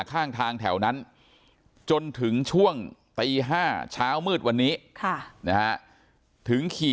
ข้างทางแถวนั้นจนถึงช่วงตี๕เช้ามืดวันนี้ถึงขี่